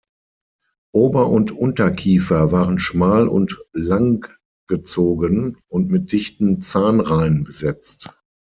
Ober- und Unterkiefer waren schmal und langgezogen und mit dichten Zahnreihen besetzt.